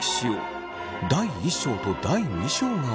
第１章と第２章があります。